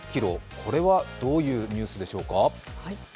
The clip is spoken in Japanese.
これはどういうニュースでしょうか？